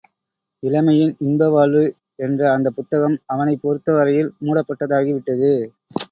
இளமையின் இன்ப வாழ்வு என்ற அந்தப் புத்தகம் அவனைப் பொறுத்த வரையில் மூடப்பட்டதாகி விட்டது.